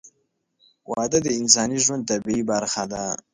• واده د انساني ژوند طبیعي برخه ده.